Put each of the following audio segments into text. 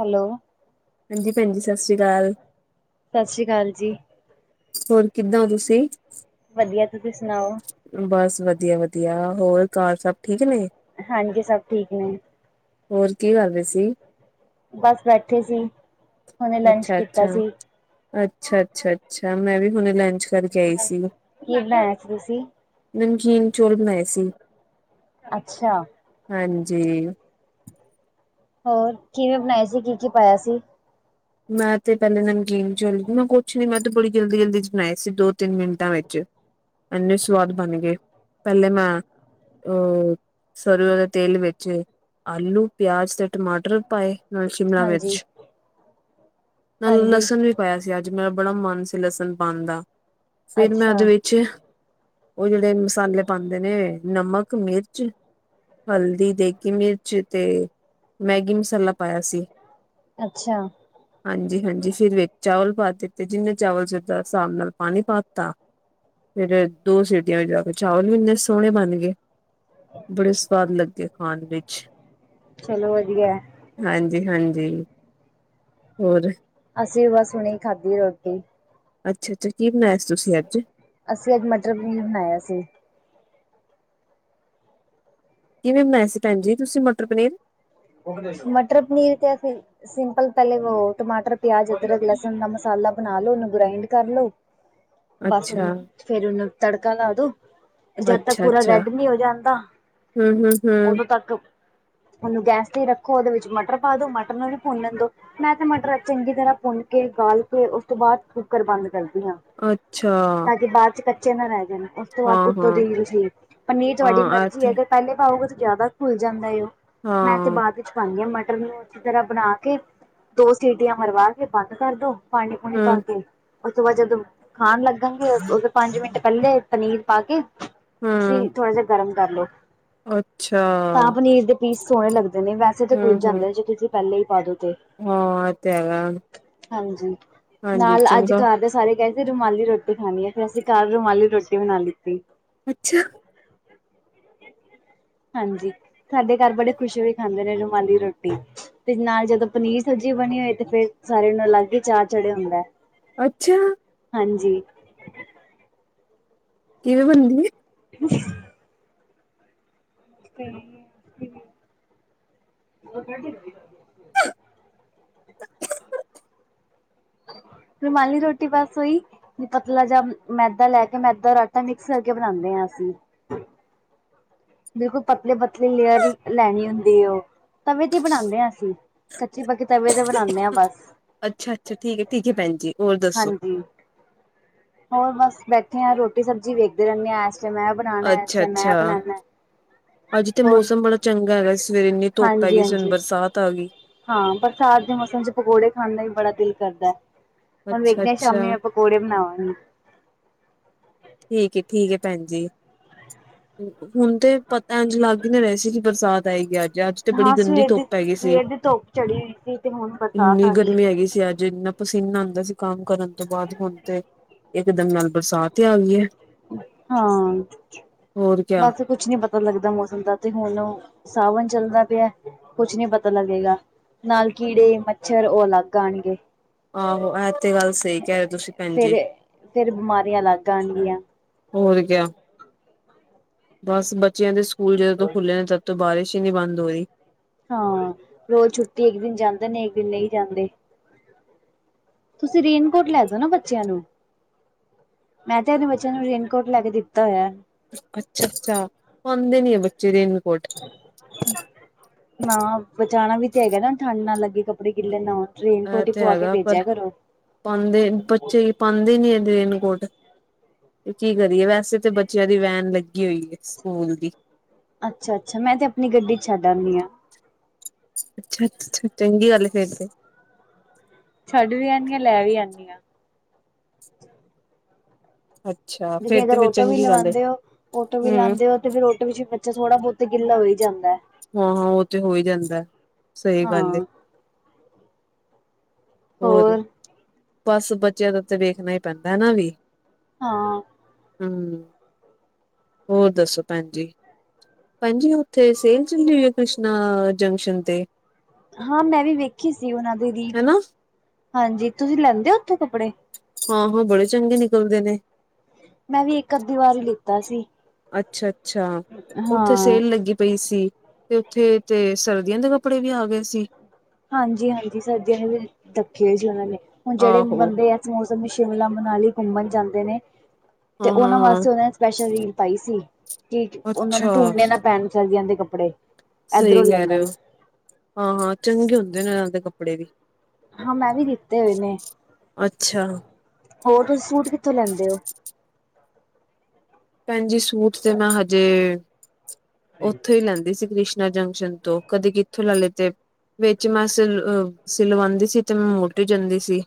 Hello. ਹਾਂਜੀ ਭੈਨ ਜੀ ਸਤਿ ਸ੍ਰੀ ਕਾਲ ਸਤਿ ਸ੍ਰੀ ਕਾਲ ਜੀ ਹੋਰ ਕਿੱਦਾਂ ਓ ਤੁਸੀਂ ਵਧੀਆ ਤੁਸੀਂ ਸੁਨਾਓ ਬਸ ਵਧੀਆ- ਵਧੀਆ ਹੋਰ ਘਾਰ ਸਭ ਠੀਕ ਨੇ ਹਾਂਜੀ ਸਭ ਠੀਕ ਨੇ ਹੋਰ ਕੀ ਕਰ ਰਹੇ ਸੀ ਬਸ ਬੈਠੇ ਸੀ ਉਹਨੇ ਲੰਚ ਅੱਛਾ ਕੀਤਾ ਅੱਛਾ ਸੀ। ਅੱਛਾ, ਅੱਛਾ, ਅੱਛਾ ਮੈਂ ਵੀ ਹੁਨੇ ਲੰਚ ਕਰਕੇ ਆਈ ਸੀ। ਕੀ ਬਨਾਇਆ ਤੁਸੀ ਨਮਕੀਨ ਚੋਲ ਬਨਾਏ ਸੀ। ਅੱਛਾ ਹਾਂਜੀ। ਹੋਰ ਕਿਵੇਂ ਬਨਾਏ ਸੀ ਕੀ- ਕੀ ਪਾਇਆ ਸੀ ਮੈਂ ਤੇ ਪਹਿਲੇ ਨਮਕੀਨ ਚੋਲ ਮੈਂ ਕੁਛ ਨੀ ਮੈਂ ਤੇ ਬੜੀ ਜਲਦੀ- ਜਲਦੀ ਬਨਾਏ ਸੀ ਦੋ ਤਿੰਨ ਮਿੰਟਾਂ ਵਿੱਚ ਏਨੇ ਸਵਾਦ ਬਨ ਗਏ ਪਹਿਲੇ ਮੈਂ ਅ ਸਰੋ ਦੇ ਤੇਲ ਵਿੱਚ ਆਲੂ ਪਿਆਜ ਤੇ ਟਮਾਟਰ ਪਾਏ ਨਾਲ ਸ਼ਿਮਲਾ ਹਾਂਜੀ। ਮਿਰਚ ਨਾਲ ਹਾਂਜੀ, ਲਸਣ ਵੀ ਪਾਇਆ ਸੀ ਅੱਜ ਮੇਰਾ ਬੜਾ ਮਨ ਸੀ ਲਸਣ ਪਾਨ ਦਾ ਫਿਰ ਮੈਂ ਅੱਛਾ, ਉਹਦੇ ਵਿੱਚ ਉਹ ਜੇਹੜੇ ਮਸਾਲੇ ਪਾਂਦੇ ਨੇ ਨਮਕ ਮਿਰਚ ਹਲਦੀ ਦੇਗੀ ਮਿਰਚ ਤੇ ਮੈਗੀ ਮਸਾਲਾ ਪਾਇਆ ਸੀ। ਅੱਛਾ। ਹਾਂਜੀ- ਹਾਂਜੀ ਫਿਰ ਵਿੱਚ ਚਾਵਲ ਪਾ ਦਿੱਤੇ ਜਿੰਹਨੇ ਚਾਵਲ ਸੀ ੳਸ ਹਿਸਾਬ ਨਾਲ ਪਾਨੀ ਪਾ ਤਾ। ਫਿਰ ਦੋ ਸੀਟੀਆਂ ਵਿੱਚ ਜਾ ਕੇ ਚਾਵਲ ਵੀ ਇੰਨੇ ਸੋਹਣੇ ਬਣ ਗਏ ਬੜੇ ਸੁਆਦ ਲੱਗੇ ਖਾਣ ਵਿੱਚ। ਚਲੋ ਵਧੀਆ ਹਾਂਜੀ- ਹਾਂਜੀ। ਹੋਰ ਅਸੀਂ ਵੀ ਬਸ ਹੁਣੇ ਈ ਖਾਧੀ ਏ ਰੋਟੀ। ਅੱਛਾ- ਅੱਛਾ ਕੀ ਬਨਾਇਆ ਸੀ ਤੁਸੀਂ ਅੱਜ ਅਸੀਂ ਅੱਜ ਮਟਰ ਪਨੀਰ ਬਨਾਇਆ ਸੀ। ਕਿਵੇਂ ਬਨਾਇਆ ਸੀ ਭੈਨ ਜੀ ਤੁਸੀਂ ਮਟਰ ਪਨੀਰ ਮਟਰ ਪਨੀਰ ਤੇ ਅੇ [unintelligible] ਸਿੰਪਲ ਪਹਿਲੇ ਵ ਟਮਾਟਰ ਪਿਆਜ ਅਦਰਕ ਲਸਨ ਦਾ ਮਸਾਲਾ ਬਨਾ ਲੋ ਉਹਨੂੰ ਗ੍ਰਾਇੰਡ ਕਰ ਲੋ [inaudible] [inaudible] ਬਸ ਫੇਰ ਉਹਨੂੰ ਤੜਕਾ ਲਾ ਦੋ ਜਦ ਤੱਕ ਪੂਰਾ ਅੱਛਾ-ਅੱਛਾ ਰੈਡ ਨੀ ਹੋ ਜਾਂਦਾ ਹੂੰ-ਹੂੰ, ਹੂੰ ਹੂੰ ਹੂੰ ਉਦੋਂ ਤੱਕ ਓਨੂੰ ਗੈਸ ਰੱਖੋ ਉਹਦੇ ਵਿੱਚ ਮਟਰ ਪਾ ਦੋ ਮਟਰ ਨੂੰ ਵੀ ਭੁੰਨ ਲੈਣ ਦੋ ਮੈਂ ਤਾਂ ਮਟਰ ਚੰਗੀ ਤਰ੍ਹਾਂ ਭੁੰਨ ਕੇ ਗਾਲ ਕੇ ਉਸ ਤੋਂ ਬਾਅਦ ਕੁੱਕਰ ਬੰਦ ਕਰਦੀ ਹਾਂ ਅੱਛਾ ਤਾਂ ਬਾਅਦ ਚ ਕੱਚੇ ਨਾ ਰਹਿ ਜਾਣ ਉਸ ਤੋਂ ਬਾਅਦ ਉੱਤੋਂ ਹਾਂ-ਹਾਂ, ਦੀ ਪਨੀਰ ਤੁਹਾਡੀ ਹਾਂ, ਮਰਜ਼ੀ ਹੈ। ਐਥੇ ਪਹਿਲੇ ਪਾਓਗੇ ਤਾਂ ਜ਼ਿਆਦਾ ਘੁਲ ਜਾਂਦਾ ਉਹ ਮੈਂ ਤੇ ਹਾਂ, ਬਾਅਦ ਵਿੱਚ ਪਾਣੀ ਹਾ ਮਟਰ ਨੂੰ ਅੱੀ ਤਰ੍ਹਾਂ ਬਣਾ ਕੇ ਦੋ ਸੀਟੀਆਂ ਮਰਵਾ ਕੇ ਬੰਦ ਕਰਦੋ ਪਾਣੀ ਪਾਣੀ ਪਾਕੇ ਉਸ ਤੋਂ ਬਾਅਦ ਜਦੋਂ ਖਾਣ ਲੱਗਣਗੇ ਉੋਂਦੋ ਪੰਜ ਮਿੰਟ ਪਹਿਲੇ ਪਨੀਰ ਪਾ ਕੇ ਤੁਸੀ ਹੂੰ-ਹੂੰ, ਥੋੜਾ ਜਿਹਾ ਗਰਮ ਕਰ ਲਉ ਅੱਛਾ, ਤਾਂ ਪਨੀਰ ਦੇ ਪੀਸ ਸੋਹਣੇ ਲੱਗਦੇ ਨੀ ਵੈਸੇ ਤਾਂ ਘੁਲ ਹੂੰ-ਹੂੰ, ਜਾਂਦੇ ਨੇ ਜੇ ਤੁਸੀਂ ਪਹਿਲੇ ਹੀ ਪਾ ਦਿੰਦੇ ਹਾਂ ਐ ਤੇ ਹੈਗਾ ਹਾਂਜੀ ਹਾਂਜੀ ਨਾਲ ਅੱਜ ਚੰਗਾ, ਘਰ ਦੇ ਸਾਰੇ ਕਹਿ ਰੁਮਾਲੀ ਰੋਟੀ ਖਾਣੀ ਆ ਫ਼ਿਰ ਅਸੀਂ ਘਰ ਰੁਮਾਲੀ ਰੋਟੀ ਬਣਾ ਲਿੱਤੀ ਅੱਛਾ ਹਾਂਜੀ ਸਾਡੇ ਘਰ ਬੜੇ ਖੁਸ਼ੀ ਹੋਈ ਖਾਂਦੇ ਨੇ ਰੁਮਾਲੀ ਰੋਟੀ ਤੇ ਨਾਲ ਜਦੋਂ ਪਨੀਰ ਸਬਜ਼ੀ ਬਣੀ ਹੁੰਦੀ ਤੇ ਫੇਰ ਸਾਰਿਆਂ ਨੂੰ ਅਲੱਗ ਹੀ ਚਾਅ ਚੜ੍ਹਿਆ ਹੁੰਦਾ ਹੈ ਅੱਛਾ ਹਾਂਜੀ ਕਿਵੇਂ ਬਣੀ ਏ [unintelligible] [unintelligible] ਰੁਮਾਲੀ ਰੋਟੀ ਬੱਸ ਓਹੀ ਪਤਲਾ ਜਾ ਮੈਦਾ ਲੈ ਕੇ ਮੈਦਾ ਔਰ ਆਟਾ ਮਿਕਸ ਕਰਕੇ ਬਣਾਉਂਦੇ ਹਾਂ ਅਸੀਂ ਬਿਲਕੁਲ ਪਤਲੇ ਪਤਲੇ ਲੇਅਰ ਲੈਣੀ ਹੁੰਦੀ ਤਵੇ ਤੇ ਬਣਾਉਂਦੇ ਹਾ ਅਸੀਂ ਕੱਚੇ ਪੱਕੇ ਤਵੇ ਤੇ ਬਣਾਉਂਦੇ ਆਾਂ ਬਸ ਅੱਛਾ ਅੱਛਾ ਠੀਕ ਠੀਕ ਹੈ ਭੈਣ ਜੀ ਹੋਰ ਦੱਸੋ? ਹਾਂਜੀ ਹੋਰ ਬਸ ਬੈਠੇ ਹਾਂ ਰੋਟੀ ਸਬਜ਼ੀ ਵੇਖਦੇ ਰਹਿੰਦੇ ਹਾਂ ਇਸ ਟਾਇਮ ਅੱਛਾ ਅੱਛਾ ਅੱਜ ਤੇ ਹੋਰ ਮੌਸਮ ਬੜਾ ਚੰਗਾ ਹੈਗਾ ਸਵੇਰੇ ਇੰਨੀ ਧੁੱਪ ਹੈਗੀ ਹਾਂਜੀ-ਹਾਂਜੀ ਬਰਸਾਤ ਆ ਗਈ ਹਾਂ ਬਰਸਾਤ ਦੇ ਮੌਸਮ ਚ ਪਕੌੜੇ ਖਾਣ ਦਾ ਵੀ ਬੜਾ ਦਿਲ ਕਰਦਾ ਹੈ ਹੁਣ ਵੇਖਦੇ ਹ ਸ਼ਾਮੀ ਅੱਛਾ-ਅੱਛਾ, ਮੈਂ ਪਕੌੜੇ ਬਣਾਵਾਂਗੇ ਠੀਕ ਹੈ ਠੀਕ ਹੈ ਭੈਣ ਜੀ ਹੁਣ ਤੇ ਪਤਾ ਇੰਝ ਲੱਗ ਹੀ ਨਹੀਂ ਰਹੇ ਸੀ ਕਿ ਬਰਸਾਤ ਆਏਗੀ ਅੱਜ ਅੱਜ ਤੇ ਬੜੀ ਹਾਂ ਗੰਦੀ ਸਵੇਰ ਦੀ ਧੁੱਪ ਹੈਗੀ ਸੀ ਸਵੇਰ ਦੀ ਧੁੱਪ ਚੜੀ ਹੋਈ ਸੀ ਤੇ ਹੁਣ ਬਰਸਾਤ ਇੰਨੀ ਆ ਗਈ। ਗਰਮੀ ਹੈਗੀ ਸੀ ਅੱਜ ਇੰਨਾ ਪਸੀਨਾ ਆਉਂਦਾ ਸੀ ਕੰਮ ਕਰਨ ਤੋਂ ਬਾਅਦ ਹੁਣ ਤੇ ਇਕ ਦਮ ਨਾਲ ਬਰਸਾਤ ਹੀ ਆ ਗਈ ਹੈ ਹਾਂ ਹੋਰ ਕਿਆ। ਬਸ ਕੁਛ ਨੀ ਪਤਾ ਲੱਗਦਾ ਮੌਸਮ ਦਾ ਤੇ ਹੁਣ ਸਾਵਣ ਚੱਲਦਾ ਪਿਆ ਕੁਛ ਨੀ ਪਤਾ ਲੱਗੇਗਾ ਨਾਲ ਕੀੜੇ ਮੱਛਰ ਉਹ ਅਲੱਗ ਆਉਣਗੇ ਹਾ ਇਹ ਤੇ ਗੱਲ ਸਹੀ ਕਹਿ ਰਹੇ ਤੁਸੀਂ ਭੈਣ ਜੀ। ਫਿਰ ਫਿਰ ਬਿਮਾਰੀਆਂ ਅਲੱਗ ਆਉਣਗੀਆਂ ਹੋਰ ਕ ਬਸ ਬੱਚਿਆਂ ਦੇ ਸਕੂਲ ਜਦੋਂ ਤੋਂ ਖੁੱਲੇ ਨੇ ਤੋਂ ਬਾਰਿਸ਼ ਹੀ ਨਹੀ ਬੰਦ ਹੋ ਰਹੀ ਹਾਂ ਰੋਜ਼ ਛੁੱਟੀ ਇੱਕ ਦਿਨ ਜਾਂਦੇ ਨੇ ਇੱਕ ਦਿਨ ਨਹੀਂ ਜਾਂਦੇ ਤੁਸੀਂ ਰੇਨਕੋਟ ਲੈ ਦੋ ਨਾ ਬੱਚਿਆਂ ਨੂੰ ਮੈਂ ਤੇ ਅਪਣੇ ਬੱਚਿਆਂ ਨੂੰ ਰੇਨਕੋਟ ਲੈ ਕੇ ਦਿੱਤਾ ਹੋਇਆ ਅੱਛਾ ਅੱਛਾ ਪਾਉਂਦੇ ਨੀ ਹੈ ਬੱਚੇ ਰੇਨਕੋਟ ਨਾ ਬਚਾਉਣਾ ਵੀ ਤੇ ਹੈਗਾ ਨਾ ਠੰਡ ਨਾਲ ਲੱਗੇ ਕੱਪੜੇ ਗਿੱਲੇ ਨਾ ਹੋਣ ਰੇਨਕੋਟ ਹੀ ਪਵਾ ਕੇ ਭੇਜਿਆ ਕਰੋ ਪਾਉਂਦੇ ਬੱਚੇ ਪਾਉਂਦੇ ਨੀ ਇਹ ਰੇਨਕੋਟ ਤੇ ਕੀ ਕਰੀਏ ਵੈਸੇ ਤਾਂ ਬੱਚਿਆਂ ਦੀ ਵੈਨ ਲੱਗੀ ਹੋਈ ਹੈ ਸਕੂਲ ਦੀ ਅੱਛਾ ਅੱਛਾ ਮੈਂ ਤੇ ਆਪਣੀ ਗੱਡੀ ਛੱਡ ਆਂਦੀ ਹਾਂ ਅੱਛਾ ਅੱਛਾ ਚੰਗੀ ਗੱਲ ਏ ਫੇਰ ਤੇ ਛੱਡ ਵੀ ਆਨੀ ਆ, ਲੈ ਵੀ ਆਨੀ ਆ [unintelligible] ਦੇ ਫੇਰ ਅਗਰ ਤੇ ਫੇਰ ਔਟੋ ਵੀ ਚੰਗੀ ਗੱਲ ਏ ਲਵਾਉਂਦੇ ਹੋ, ਔਟੋ ਵੀ ਹੂੰ। ਲਾਉਂਦੇ ਹੋ ਤੇ ਫਿਰ ਔਟੋ ਵਿੱਚ ਵੀ ਬੱਚਾ ਥੋੜ੍ਹਾ ਬਹੁਤ ਗਿੱਲਾ ਹੋਈ ਜਾਂਦਾ ਹੈ। ਹਾਂ, ਹਾਂ ਉਹ ਤੇ ਹੋ ਹੀ ਜਾਂਦਾ ਸਹੀ ਗੱਲ ਏ ਹਾਂ ਹੋਰ ਬਸ ਬੱਚਿਆਂ ਦਾ ਉੱਥੇ ਵੇਖਣਾ ਹੀ ਪੈਂਦਾ ਹੈ ਵੀ ਹਾਂ ਹੂ, ਹੋਰ ਦੱਸੋ ਭੈਣ ਜੀ। ਭੈਣ ਜੀ ਉੱਥੇ ਸੇਲ ਚੱਲੀ ਹੋਈ ਹੈ। ਕ੍ਰਿਸ਼ਨਾ ਜੰਕਸ਼ਨ ਤੇ, ਹਾਂ ਮੈਂ ਵੀ ਵੇਖੀ ਸੀ ਉਹਨਾਂ ਦੀ ਰੀਲ, ਹਨਾ ਹਾਂਜੀ ਤੁਸੀਂ ਲੈਂਦੇ ਹੋ ਉੱਥੋਂ ਕੱਪੜੇ। ਹਾਂ, ਹਾਂ ਬੜੇ ਚੰਗੇ ਨਿਕਲਦੇ ਨੇ, ਮੈਂ ਵੀ, ਇੱਕ ਅੱਧੀ ਵਾਰ ਈ ਲਿੱਤਾ ਸੀ। ਅੱਛਾ ਅੱਛਾ, ਉੱਥੇ ਹਾਂ। ਸੇਲ ਲੱਗੀ ਪਈ ਸੀ। ਤੇ ਉੱਥੇ ਤੇ ਸਰਦੀਆਂ ਦੇ ਕੱਪੜੇ ਵੀ ਆ ਗਏ ਸੀ। ਹਾਂਜੀ ਹਾਂਜੀ, ਸਰਦੀਆਂ ਨੇ ਰਖੇ ਸੀਂ ਉਹਨਾਂ ਨੇ, ਹੁਣ ਜਿਹੜੇ ਆਹੋ ਬੰਦੇ ਆ। ਮੌਸਮ ਵਿਚ ਸ਼ਿਮਲਾ ਮਨਾਲੀ ਘੁੰਮਣ ਜਾਂਦੇ ਨੇ, ਤੇ ਉਹਨਾਂ ਹਾਂ-ਹਾਂ-ਹਾਂ। ਵਾਸਤੇ ਉਹਨਾਂ। ਸਪੈਸ਼ਲ ਰੀਲ ਪਾਈ ਸੀ, ਕਿ ਉਹਨਾਂ ਨੂੰ ਅੱਛਾ ਡੂਢਣੇ ਨਾ ਪੈਣ ਸਰਦੀਆਂ ਦੇ ਕੱਪੜੇ। ਸਹੀ ਇਧਰੋਂ ਲੈ ਕਹਿ ਰਹੇ ਲੈਣ ਹੋ, ਹਾਂ ਹਾਂ, ਚੰਗੇ ਹੁੰਦੇ ਨਾ ਇਹਨਾਂ ਦੇ ਕੱਪੜੇ ਵੀ। ਹਾਂ ਮੈਂ ਵੀ ਲਿਤੇ ਹੋਏ ਨੇੇ, ਅੱਛਾ ਹੋਰ ਤੁਸੀਂ ਸੂਟ ਕਿੱਥੋਂ ਲੈਂਦੇ ਹੋ। ਭੈਣ ਜੀ ਸੂਟ ਤੇ ਮੈਂ ਹਜੇ ਉੱਥੋਂ ਹੀ ਲੈਂਦੀ ਸੀ ਕ੍ਰਿਸ਼ ਕ੍ਰਿਸ਼ਣਾ ਜੰਕਸ਼ਨ ਤੋਂ ਕਦੀ ਕਿੱਥੋਂ ਲੈ ਲਿਤੇ, ਵਿੱਚ ਮੈਂ ਸਿਲ ਸਿਲਵਾਉਂਦੀ ਸੀ, ਤੇ ਮੈਂ ਮੋਟੀ ਜਾਂਦੀ ਸੀ।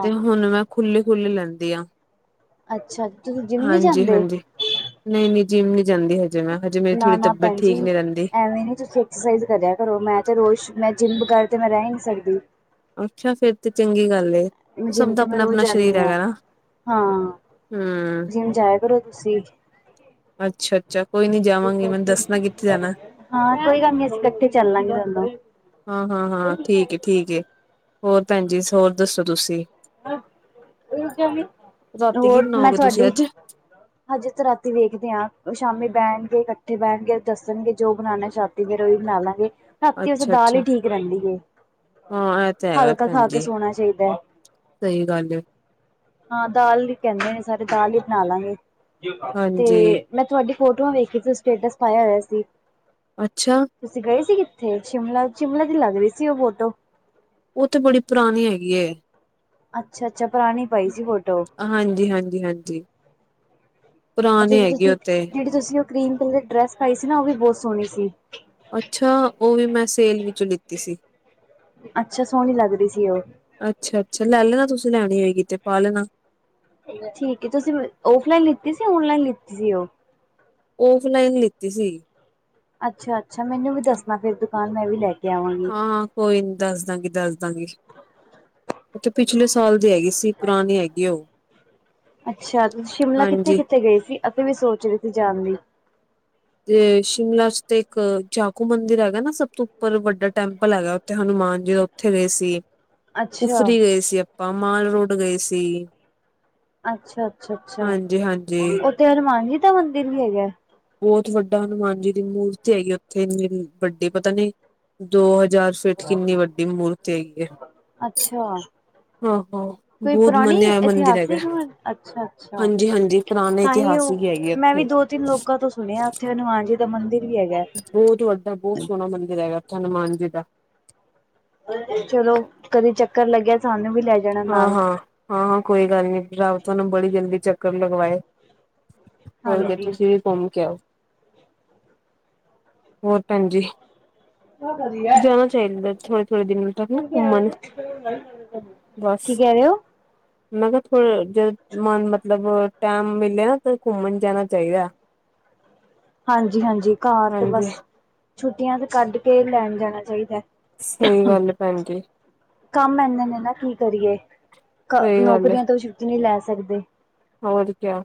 ਤੇ ਹੁਣ ਮੈਂ, ਖੁੱਲੀ ਖੁੱਲੀ ਲੈਂਦੀ ਆ। ਅੱਛਾ, ਤੁਸੀਂ ਨੀ ਹਾਂਜੀ ਜਾਂਦੇ? ਹਾਂਜੀ, ਨਹੀਂ ਨਹੀਂ, ਜਿੰਮ ਨਹੀਂ ਜਾਂਦੀ ਹਜੇ ਮੈਂ, ਹਜੇ ਮੇਰੀ ਥੋੜ੍ਹੀ ਤਬੀਅਤ ਠੀਕ ਨਹੀਂ ਰਹਿੰਦੀ। ਐਕਸਰਸਾਈਜ ਕਰਿਆ ਕਰੋ, ਮੈਂ ਤੇ ਰੋਜ਼ ਮੈਂ ਜਿੰਮ ਬਗਰ ਤੇ ਮੈਂ ਰਹਿ ਨਹੀਂ ਸਕਦੀ। ਅੱਛਾ ਫੇਰ ਤੇ ਚੰਗੀ ਗੱਲ ਏ, ਉਹ ਜਿੰਮ ਸਭ ਦਾ ਤੇ ਮੈਂ ਆਪਣਾ ਰੋਜ਼ ਆਪਣਾ ਸਰੀਰ ਜਾਂਦੀ ਹਾਂ ਹੈਗਾ ਨਾ, ਹਾਂ ਹਮ ਜਿਸ ਜਾਇਆ ਕਰੋ ਤੁਸੀਂ, ਅੱਛਾ ਅੱਛਾ ਕੋਈ ਨੀ ਜਾਵਾਂਗੀ ਮੈਨੂੰ ਦੱਸਣਾ ਕਿੱਥੇ ਜਾਣਾ ਹਾਂ, ਕੋਈ ਗੱਲ ਨਹੀਂ ਅਸੀਂ ਇੱਕਠੇ, ਚੱਲਾਂਗੇ ਹੁਣ, ਹਾਂ, ਹਾਂ, ਹਾਂ, ਠੀਕ, ਠੀਕ ਹੈ ਹੋਰ ਭੈਣ ਜੀ ਹੋਰ ਦੱਸੋ ਤੁਸੀਂ। ਰਾਤੀ ਕੀ ਹੋਰ ਮੈਂ ਬਣਾਓਗੇ ਤੁਸੀਂ ਤੁਹਾਡੀ, ਅੱਜ ਹਜੇ ਤੇ ਰਾਤੀ ਵੇਖਦੇ ਹਾਂ, ਉਹ ਸ਼ਾਮੀ ਬਹਿਣਗੇ ਇਕੱਠੇ ਬਹਿਣਗੇ ਦੱਸਣਗੇ ਜੋ ਬਣਾਉਣਾ ਸ਼ ਤੇ ਫਿਰ ਉਹੀ ਬਣਾ ਲਾਂਗੇ। ਰਾਤੀ ਵੈਸੇ ਅੱਛਾ ਦਾਲ ਹੀ ਅੱਛਾ ਠੀਕ ਰਹਿੰਦੀ ਏ, ਹਾਂ ਇਹ ਤਾਂ ਹਲਕਾ ਖਾ ਕੇ ਸੋਣਾ ਚਾਹੀਦਾ ਹੈ। ਸਈ ਗਾੱਲ ਏ। ਹਾਂ, ਦਾਲ ਈ ਕੈਂਦੇ ਨੇ ਸਾਰੇ ਦਾਲ ਈ ਬਣਾ ਲਾਂਗੇ ਤੇ ਹਾਂਜੀ, ਮੈਂ ਤੁਹਾਡੀ ਫੋਟੋਆਂ ਵੇਖੀ ਸੀ ਤੁ ਸਟੇਟਸ ਪਾਏਆ ਹੋਏਆ ਸੀ। ਅੱਛਾ। ਤੁਸੀ ਗਏ ਸੀ ਕਿੱਥੇ? ਸ਼ਿਮਲਾ-ਸ਼ਿਮਲਾ ਦੀ ਲਾੱਗ ਰੀ ਸੀ ਓ ਫੋਟੋ। ਓ ਤੇ ਬੜੀ ਪਰਾਨੀ ਹੈਗੀ ਏ। ਅੱਛਾ-ਅੱਛਾ, ਪਰਾਨੀ ਪਈ ਸੀ ਫੋਟੋ। ਹਾਂਜੀ-ਹਾਂਜੀ, ਹਾਂਜੀ। ਆ ਪੁਰਾਣੀ ਜੇੜੀ ਹੈਗੀ ਤੁਸੀਂ, ਉਹ ਤੇ ਜੇੜੀ ਤੁਸੀਂ ਓ ਕ੍ਰੀਮ ਕੱਲਰ ਦੀ ਡ੍ਰੈਸ ਪਾਈ ਸੀ ਨਾ ਓ ਵੀ ਬੋਤ ਸੋਣੀ ਸੀ। ਅੱਛਾ, ਓ ਵੀ ਮੈਂ ਸੇਲ ਵਿੱਚੋਂ ਲਿੱਤੀ ਸੀ। ਅੱਛਾ, ਸੋਣੀ ਲਾੱਗਰੀ ਸੀ ਓ। ਅੱਛਾ-ਅੱਛਾ, ਲੈ ਲੈਣਾ ਤੁਸੀਂ ਲੈਨੀ ਹੋਏਗੀ ਤੇ ਪਾ ਲੈਣਾ। ਠੀਕ ਏ, ਤੁਸੀ ਅ ਓਫਲਾਈਨ ਲਿੱਤੀ ਸੀ ਓਨਲਾਈਨ ਲਿੱਤੀ ਸੀ ਓ? ਓਫਲਾਈਨ ਲਿੱਤੀ ਸੀ। ਅੱਛਾ-ਅੱਛਾ, ਮੈਨੂੰ ਵੀ ਦੱਸਨਾ ਫੇਰ ਦੁਕਾਨ ਮੈਂ ਵੀ ਲੈ ਕੇ ਆਵਾਂਗੀ। ਹਾਂ-ਹਾਂ, ਕੋਈ ਨੀ ਦੱਸ ਦਾਂਗੀ, ਦੱਸ ਦਾਂਗੀ। ਓਤੇ ਪਿਛਲੇ ਸਾਲ ਦੀ ਹੈਗੀ ਸੀ ਪਰਾਨੀ ਹੈਗੀ ਓ। ਅੱਛਾ, ਸ਼ਿਮਲਾ ਕਿੱਥੇ-ਕਿੱਥੇ ਗਏ ਸੀ? ਅਸੀਂ ਵੀ ਸੋਚ ਰੇ ਸੀ ਜਾਨ ਦੀ। ਤੇ, ਸ਼ਿਮਲਾ ਚ ਤੇ ਇੱਕ ਚਾਕੂ ਮੰਦਿਰ ਹੈਗਾ ਨਾ ਸਬ ਤੋਂ ਉੱਪਰ ਵੱਡਾ ਟੈਂਪਲ ਹੈਗਾ ਓਥੇ ਹਨੂੰਮਾਨ ਜੀ ਦਾ ਓਥੇ ਗਏ ਸੀ, ਅੱਛਾ ਕੁਫਰੀ ਗਏ ਸੀ ਆਪਾਂ ਮਾਲ ਰੋੜ ਗਏ ਸੀ। ਅੱਛਾ-ਅੱਛਾ, ਅੱਛਾ ਹਾਂਜੀ, ਹਾਂਜੀ। ਓਥੇ ਹਨੂੰਮਾਨ ਜੀ ਦਾ ਮੰਦਿਰ ਵੀ ਹੈਗੈ? ਬੋਤ ਵੱਡਾ ਹਨੂੰਮਾਨ ਜੀ ਦੀ ਮੂਰਤੀ ਹੈਗੀ ਓਥੇ ਇੰਨੀਂ ਵੱਡੀ ਪਤਾ ਨੀ ਦੋ ਹਜਾਰ ਸ ਫ਼ੀਟ ਕਿੰਨੀ ਵੱਡੀ ਮੂਰਤੀ ਹੈਗੀ ਏ। ਅੱਛਾ। ਕੋਈ ਬਹੁਤ ਪੁਰਾਨੀ ਮੰਨਿਆ ਹੋਇਆ ਮੰਦਿਰ ਹੈਗਾ ਇਤਿਹਾਸਿਕ ਮ ਅੱਛਾ-ਅੱਛਾ। ਹਾਂਜੀ ਹਾਂਜੀ ਪੁਰਾਣੇ ਤਾਂਈ ਓ, ਇਤਿਹਾਸਿਕ ਹੈਗੀ ਮੈਂ ਵੀ ਉੱਥੇ ਦੋ-ਤਿੰਨ ਲੋਕਾਂ ਤੋਂ ਸੁਨੇਆ ਓਥੇ ਹਨੂੰਮਾਨ ਜੀ ਦਾ ਮੰਦਿਰ ਵੀ ਹੈਗੈ। ਬੋਤ ਵੱਡਾ ਬੋਤ ਸੋਣਾ ਮੰਦਿਰ ਹੈਗਾ ਓੱਥੇ ਹਨੂੰਮਾਨ ਜੀ ਦਾ। ਚਲੋ ਕਦੇ ਚੱਕਰ ਲੱਗੇਆ ਸਾਨੂੰ ਵੀ ਲੈ ਜਾਣਾ ਨਾਲ ਹਾਂ-ਹਾਂ, ਹਾਂ-ਹਾਂ ਕੋਈ ਗਾੱਲ ਨੀ ਰਾੱਬ ਥੋਨੂੰ ਬੜੀ ਜਲਦੀ ਚੱਕਰ ਲਗਵਾਏ। ਹੋਰ ਕਿ ਹਾਂਜੀ। ਤੁਸੀਂ ਵੀ ਘੁੰਮ ਕੇ ਆਓ। ਹੋਰ ਭੈਨ ਜੀ, ਜਾ ਭੇਜਦੇ ਥੋੜੇ-ਥੋੜੇ ਦਿਨ। ਤੱਕ ਨਾ ਘੁੰਮਣ [inaudible] ਬਸ। ਕਹਿ ਰਹੇ ਹੋ? ਮੈਂ ਕੇਆ ਫੇਰ ਜਦ ਮਨ ਮਤਲਬ, ਟੈਮ ਮਿਲੇਆ ਨਾ ਤਾ ਘੁੰਮਨ ਜਾਨਾ ਚਾਈਦੈ। ਹਾਂਜੀ-ਹਾਂਜੀ, ਘਾਰ ਤੇ ਹਾਂਜੀ ਬੱਸ ਛੁੱਟੀਆਂ ਤੇ ਕਾੱਡ ਕੇ ਲੈਣ ਜਾਣਾ ਚਾਈਦੈ। ਸਈ ਗਾੱਲ ਏ ਭੈਨ ਜੀ। ਕਾੰਮ ਐਨਾ ਨੇ ਨਾ ਕੀ ਕਰੀਏ, ਸਹੀ ਗੱਲ ਹੈ ਨੌਕਰੀਆਂ ਤੋਂ ਛੁੱਟੀ ਨਈ ਲੈ ਸਕਦੇ। ਹੋਰ ਕੇਆ।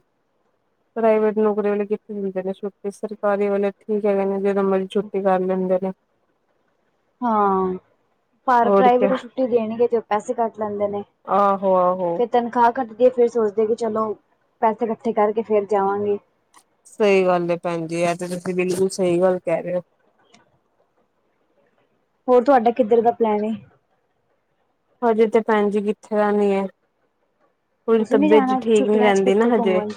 ਪ੍ਰਾਈਵੇਟ ਨੌਕਰੀ ਵਾਲੇ ਕਿੱਥੇ ਦਿੰਦੇ ਨੇ ਛੁੱਟੀ ਸਰਕਾਰੀ ਵਾਲੇ ਠੀਕ ਹੈਗੇ ਨੇ ਜਦੋ ਮਰਜੀ ਛੁੱ ਟੀ ਕਾਰ ਲੈਂਦੇ ਨੇ। ਹਾਂ, ਪਾਰ ਹੋਰ ਕਿਆ ਪ੍ਰਾਈਵੇਟ ਛੁੱਟੀ ਦੇਣਗੇ ਤੇ ਪੈਸੇ ਕਾੱਟ ਲੈਂਦੇ ਨੇ। ਆਹੋ-ਆਹੋ। ਫਿਰ ਤਨਖਾਹ ਕੱਟਦੀ ਏ ਫੇਰ ਸੋਚਦੇ ਕਿ ਚਲੋ, ਪੈਸੇ ਕੱਠੇ ਕਾਰਕੇ ਫੇਰ ਜਾਵਾਂਗੇ। ਸਈ ਗਾੱਲ ਏ ਭੈਨਜੀ, ਐ ਤਾ ਤੁਸੀਂ ਬਿਲਕੁਲ ਸਈ ਗਾੱਲ ਕੈ ਰੇ ਓ। ਹੋਰ ਤੁਹਾਡਾ ਕਿੱਧਰ ਦਾ ਪਲੈਨ ਏ ਹਜੇ ਤੇ ਭੈਣ ਜੀ ਕਿੱਥੇ ਰਹਿੰਣੀ ਹੈ ਉਹਦੀ ਤੁਸੀਂ ਨੀ ਤਬੀਅਤ ਜੀ ਜਾਣਾ ਠੀਕ ਨੀ ਛੁੱਟੀਆਂ ਚ ਰਹਿੰਦੀ ਨਾ ਕਿੱਥੇ ਹਜੇ ਘੁੰਮਣ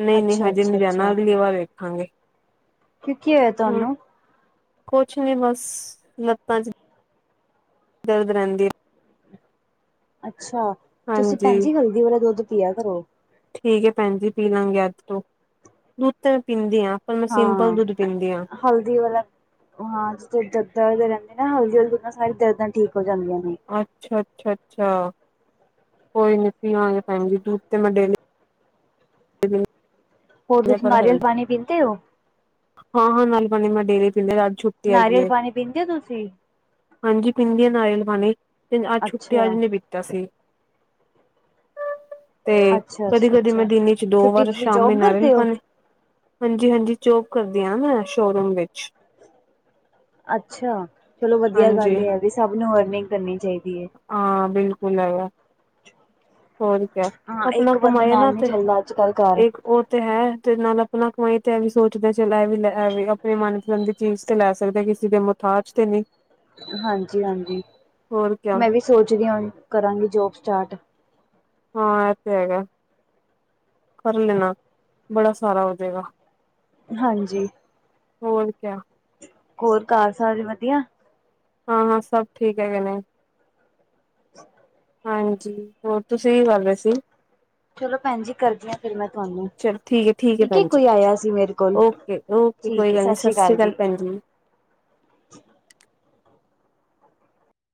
ਨਹੀਂ ਨਹੀਂ ਹਜੇ ਨੀ ਜਾਣਾ ਅੱਛਾ-ਅੱਛਾ-ਅੱਛਾ ਅਗਲੀ ਵਾਰ ਵੇਖਾਂਗੇ ਕਿੱਥੇ ਆ ਹੂੰ ਤੁਹਾਨੂੰ ਕੁਛ ਨੀ ਬਸ ਲੱਤਾਂ ਚ ਦਰਦ ਰਹਿੰਦੀ ਹੈ ਅੱਛਾ ਤੁਸੀਂ ਹਾਂਜੀ ਭੈਣਜੀ ਹਲਦੀ ਵਾਲਾ ਦੁੱਧ ਪਿਆ ਕਰੋ ਠੀਕ ਹੈ ਭੈਣ ਜੀ ਪੀ ਲਾਂਗੇ ਅੱਜ ਤੋਂ ਦੁੱਧ ਤੇ ਮੈਂ ਪੀਂਦੀ ਹਾਂ ਪਰ ਮੈਂ ਸਿੰਪਲ ਹਾਂ ਦੁੱਧ ਪੀਂਦੀ ਹਾਂ ਹਲਦੀ ਵਾਲਾ ਹਾਂ ਜਿੱਥੇ ਦਰਦਾਂ ਰਹਿੰਦੇ ਨਾ ਹਲਦੀ ਆਲੇ ਦੁੱਧ ਨਾਲ ਸਾਰੀ ਦਰਦਾਂ ਠੀਕ ਹੋ ਜਾਂਦੀਆਂ ਨੇ ਅੱਛਾ ਅੱਛਾ ਅੱਛਾ ਕੋਈ ਨੀ ਪਿਆਂਗੇ ਭੈਣਜੀ ਦੁੱਧ ਤੇ ਮੈਂ ਡੇਲੀ [unintelligible] ਹੋਰ ਆ ਤੁਸੀਂ ਪਰ ਨਾਰੀਅਲ ਹਲਦੀ ਪਾਣੀ ਪੀਂਤੇ ਹੋ ਹਾਂ ਹਾਂ ਨਾਰੀਅਲ ਪਾਣੀ ਮੈਂ ਡੇਲੀ ਪੀਣੀ ਆਜ ਛੂ ਨਾਰੀਅਲ ਪਾਣੀ ਪੀਂਦੇ ਹੋ ਤੁਸੀਂ ਹਾਂਜੀ ਪੀਂਦੀ ਆਂ ਨਾਰੀਅਲ ਪਾਣੀ ਤੇ ਅੱਜ ਛੁੱਟੀ ਅੱਜ ਅੱਛਾ, ਨਹੀ ਪੀ ਤਾ ਸੀ ਤੇ ਅੱਛਾ, ਕਦੀ ਅੱਛਾ, ਕਦੀ ਮੈਂ ਅੱਛਾ। ਦਿਨ ਚ ਦੋ ਛੁੱਟੀ ਵਾਰ ਤੁਸੀਂ ਸ਼ਾਮੀ ਜੋਬ ਨਾਰੀਅਲ ਕਰਦੇ ਹੋ? ਪਾਣੀ ਹਾਂਜੀ ਹਾਂਜੀ ਜੋਬ ਕਰਦੀ ਆ ਮੈਂ ਸ਼ੋਰੂਮ ਵਿੱਚ ਅੱਛਾ ਚਲੋ ਵਧੀਆ ਹਾਂਜੀ ਗੱਲ ਹੈ ਵੀ ਸਭ ਨੂੰ ਅਰਨਿੰਗ ਕਰਨੀ ਚਾਹੀਦੀ ਹੈ ਹਾਂ ਬਿਲਕੁਲ ਹੈਗਾ ਹੋਰ ਕਿਆ ਹਾਂ ਆਪਣਾ ਇੱਕ ਬੰਦੇ ਕਮਾਏ ਨਾ ਨਾਲ ਨੀ ਤੇ ਚੱਲਦਾ ਅੱਜ ਕੱਲ ਘਰ। ਇੱਕ ਉਹ ਤੇ ਹੈ ਤੇ ਨਾਲ ਆਪਣਾ ਕਮਾਈ ਤੇ ਐ ਵੀ ਸੋਚਦੇ ਸੀ ਆਏ ਮਹੀਨੇ ਲੈ ਵੀ ਆਪਣੀ ਮਨਪਸੰਦ ਦੀ ਚੀਜ਼ ਤੇ ਲੈ ਸਕਦੇ, ਕਿਸੇ ਦੇ ਮੁਥਾਜ ਤੇ ਨਹੀਂ ਹਾਂਜੀ, ਹਾਂਜੀ ਹੋਰ ਕਿਆ ਮੈਂ ਵੀ ਸੋਚਦੀ ਹਾਂ ਕਰਾਂਗੀ ਜੋਬ ਸਟਾਰਟ ਹਾਂ ਇਹ ਤੇ ਹੈਗਾ, ਕਰ ਲੈਣਾ ਬੜਾ ਸਾਰਾ ਹੋਜੇਗਾ। ਹਾਂਜੀ ਹੋਰ ਕਿਆ ਹੋਰ ਘਰ ਸਾਰੇ ਵਧੀਆ ਹਾਂ, ਹਾਂ ਸਭ ਠੀਕ ਹੈਗੇ ਨੇ। [unintelligible] ਹਾਂਜੀ ਹੋਰ ਤੁਸੀਂ ਕੀ ਕਰ ਰਹੇ ਸੀ। ਚਲੋ ਭੈਣ ਜੀ ਕਰਦੀ ਹਾਂ ਫਿਰ ਮੈਂ ਤੁਹਾਨੂੰ ਠੀਕ ਹੈ, ਕੋਈ ਆਇਆ ਸੀ ਮੇਰੇ ਕੋਲ ਓਕੇ ਓਕੇ ਕੋਈ ਠੀਕ ਹੈ ਗੱਲ ਸਤਿ ਨੀ ਸ੍ਰੀ ਅਕਾਲ ਜੀ। ਭੈਣ